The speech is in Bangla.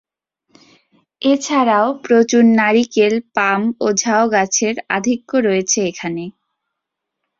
এছাড়াও প্রচুর নারিকেল, পাম ও ঝাউ গাছের আধিক্য রয়েছে এখানে।